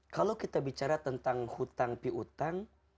kalau kita bicara tentang hutang piutang